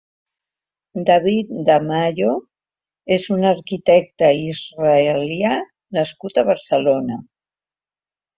David De Mayo és un arquitecte israelià nascut a Barcelona.